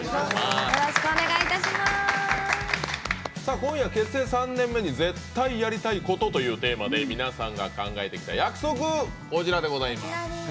今夜「結成３年目に絶対やりたいこと」というテーマで皆さんが考えてきた約束です。